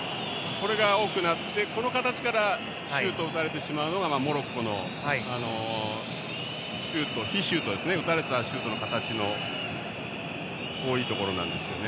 この形からシュートを打たれてしまうのがモロッコの被シュート打たれたシュートの形の多いところなんですよね。